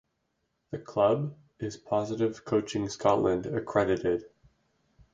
The club is Positive Coaching Scotland accredited.